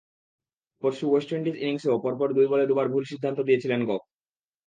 পরশু West Indies ইনিংসেও পরপর দুই বলে দুবার ভুল সিদ্ধান্ত দিয়েছিলেন গফ।